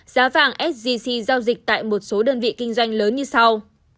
giá vàng sgc giao dịch tại một số đơn vị kinh doanh lớn như sau